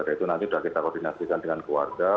nah itu nanti sudah kita koordinasikan dengan keluarga